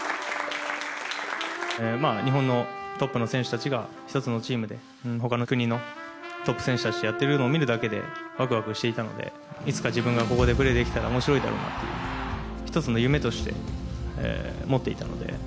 まあ日本のトップの選手たちが１つのチームで他の国のトップ選手たちとやっているのを見るだけでワクワクしていたのでいつか自分がここでプレーできたら面白いだろうなという１つの夢として持っていたので。